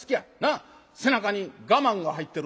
背中に我慢が入ってる。